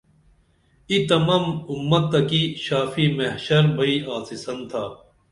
ای تمم اُمتہ کی شافی محشر بئی آڅِسن تھا